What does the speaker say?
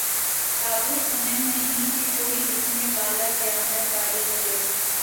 قابل فہم نہیں کہ کوئی لکھنے والا دیانت داری کے